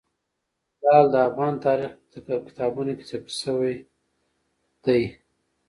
لعل د افغان تاریخ په کتابونو کې ذکر شوی دي.